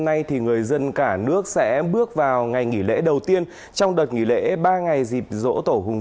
hôm nay thì người dân cả nước sẽ bước vào ngày nghỉ lễ đầu tiên trong đợt nghỉ lễ ba ngày dịp rỗ tổ hùng